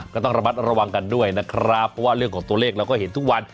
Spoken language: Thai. ก็ต้องระมัดระวังกันด้วยนะครับเพราะว่าเรื่องของตัวเลขเราก็เห็นทุกวัน